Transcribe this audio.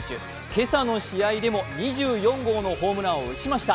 今朝の試合でも２４号のホームランを打ちました。